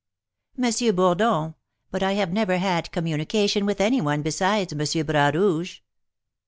"M. Bourdon; but I have never had communication with any one besides M. Bras Rouge."